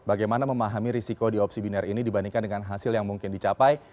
bagaimana memahami risiko di opsi binar ini dibandingkan dengan hasil yang mungkin dicapai